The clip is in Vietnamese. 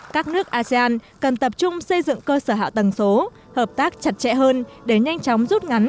các nước asean cần tập trung xây dựng cơ sở hạ tầng số hợp tác chặt chẽ hơn để nhanh chóng rút ngắn